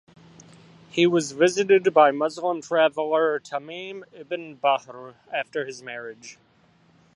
He was visited by Muslim traveller Tamim ibn Bahr after his marriage.